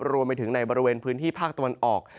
รวมไปถึงในบริเวณพื้นที่ภาคตะวันออก